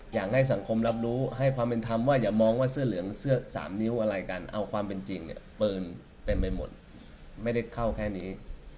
อยากให้สังคมรับรู้ให้ความเป็นธรรมก่อนอย่ามองสีเลือนเซื้อสามนิ้วอะไรกันเอาความเป็นจริงป็นไปหมดไม่ได้เข้าแค่นี้